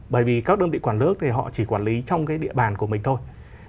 bởi vì các đơn vị quản nước thì họ chỉ quản lý trong cái địa bàn của mình thôi